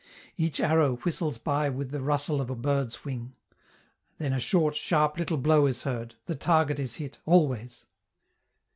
Each arrow whistles by with the rustle of a bird's wing then a short, sharp little blow is heard, the target is hit, always.